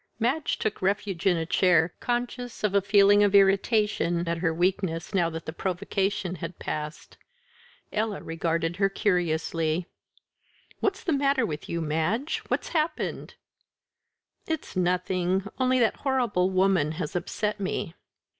Madge took refuge in a chair, conscious of a feeling of irritation at her weakness now that the provocation had passed. Ella regarded her curiously. "What's the matter with you, Madge? What's happened?" "It's nothing only that horrible woman has upset me."